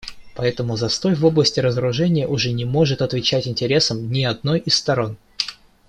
Поэтому застой в области разоружения уже не может отвечать интересам ни одной из сторон.